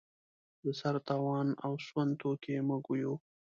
د سر تاوان او سوند توکي یې موږ یو.